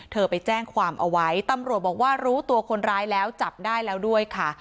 ไปแจ้งความเอาไว้ตำรวจบอกว่ารู้ตัวคนร้ายแล้วจับได้แล้วด้วยค่ะ